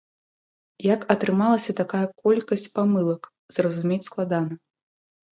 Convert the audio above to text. Як атрымалася такая колькасць памылак, зразумець складана.